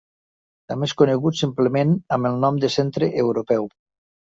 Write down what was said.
També és conegut simplement amb el nom de Centre Europeu.